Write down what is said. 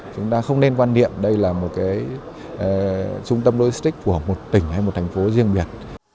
chúng ta không nên quan niệm đây là một trung tâm logistics của một tỉnh hay một thành phố riêng biệt